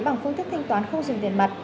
bằng phương thích thanh toán không dùng tiền mặt